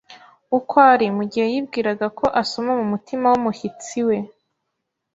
uko ari. Mu gihe yibwiraga ko asoma mu mutima w'umushyitsi we.